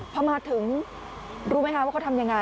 พอมาถึงรู้ไหมคะว่าเขาทำยังไง